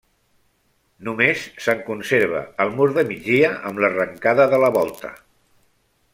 Només se'n conserva el mur de migdia, amb l'arrencada de la volta.